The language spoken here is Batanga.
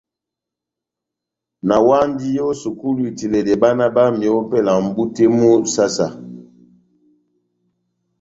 Nawandi ó sukulu itiledɛ bána bámi ópɛlɛ mʼbú tɛ́h mú saha-saha.